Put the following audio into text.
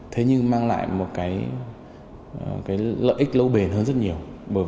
thế nhưng mang lại một cái lợi ích lâu bền hơn rất nhiều